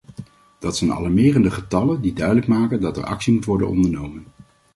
Dat zijn alarmerende getallen die duidelijk maken dat er actie moet worden ondernomen.